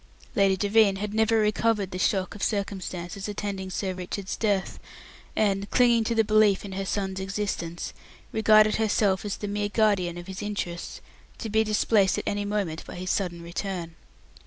Lady Devine had never recovered the shock of the circumstances attending Sir Richard's death and, clinging to the belief in her son's existence, regarded herself as the mere guardian of his interests, to be displaced at any moment by his sudden return.